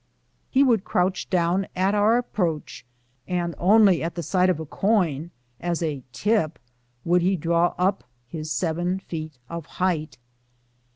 He would crouch down at our ap proach, and only at the sight of a coin as a " tip " would he draw up his seven feet of height.